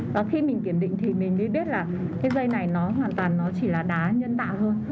và khi mình kiểm định thì mình mới biết là cái dây này nó hoàn toàn nó chỉ là đá nhân tạo thôi